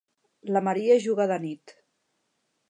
La Maria juga de nit.